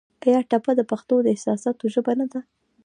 آیا ټپه د پښتو د احساساتو ژبه نه ده؟